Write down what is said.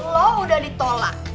lo udah ditolak